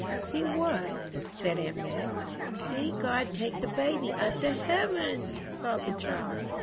"See what?" said aunt Madge. "See God take the baby up to heaven," sobbed the child.